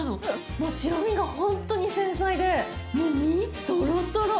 もう白身が、本当に繊細でもう身、とろとろ！